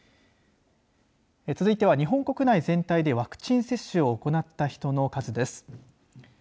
続いては、日本国内全体でワクチン接種を行った人の数です。